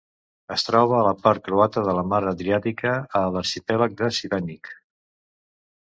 Es troba a la part croata de la Mar Adriàtica, a l'arxipèlag de Šibenik.